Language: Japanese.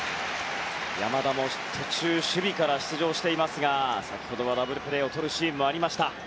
山田も途中守備から出場していますが先ほどはダブルプレーをとるシーンもありました。